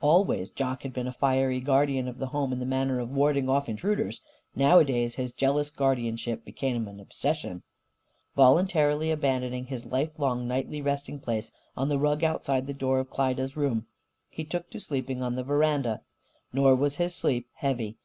Always Jock had been a fiery guardian of the home in the matter of warding off intruders. Nowadays his jealous guardianship became an obsession. Voluntarily abandoning his lifelong nightly resting place on the rug outside the door of Klyda's room, he took to sleeping on the veranda. Nor was his sleep heavy.